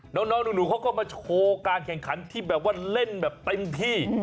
น้องหนูเขาก็มาโชว์การแข่งขันที่แบบว่าเล่นแบบเต็มที่